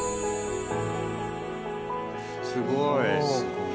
すごい。